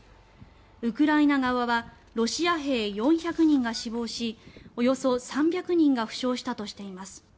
ウクライナ側はロシア兵４００人が死亡しおよそ３００人が負傷したとしています。